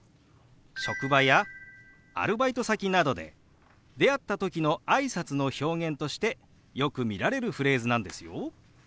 職場やアルバイト先などで出会った時のあいさつの表現としてよく見られるフレーズなんですよ。